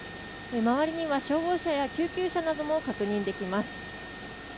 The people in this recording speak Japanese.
周りには消防車や救急車なども確認できます。